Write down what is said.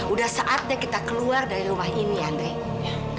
udah saatnya kita keluar dari rumah ini andre